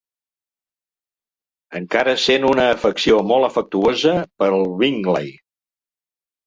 Encara sent una afecció molt afectuosa pel Bingley.